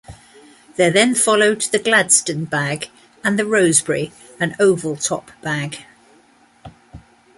There then followed the Gladstone bag and the Rosebery, an oval-top bag.